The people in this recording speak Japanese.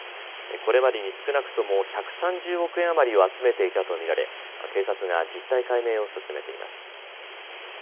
これまでに少なくとも１３０億円余りを集めていたと見られ警察が実態解明を進めています。